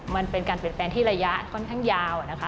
มันเป็นการเปลี่ยนแปลงที่ระยะค่อนข้างยาวนะคะ